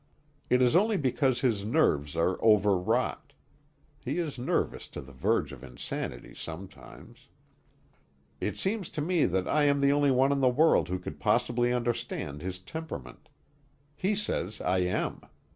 It is only because his nerves are overwrought. (He is nervous to the verge of insanity sometimes.) It seems to me that I am the only one in the world who could possibly understand his temperament. He says I am.